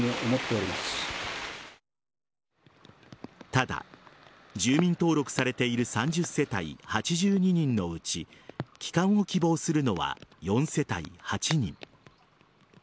ただ、住民登録されている３０世帯８２人のうち帰還を希望するのは４世帯８人。